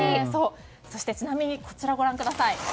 そして、ちなみにこちらをご覧ください。